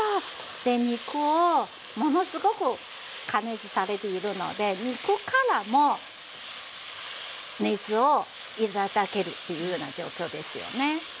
で肉をものすごく加熱されているので肉からも熱を頂けるというような状況ですよね。